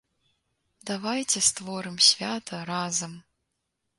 Давайце створым свята разам!